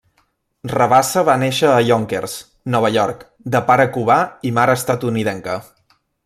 Rabassa va néixer a Yonkers, Nova York, de pare cubà i mare estatunidenca.